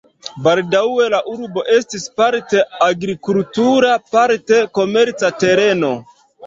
Baldaŭe la urbo estis parte agrikultura, parte komerca tereno.